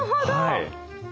はい。